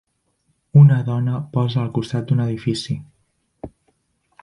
Una dona posa al costat d'un edifici.